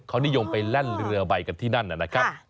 เขานิยมไปแล่นเรือใบกันที่นั่นนะครับ